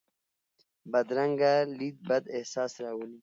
بدرنګه لید بد احساس راولي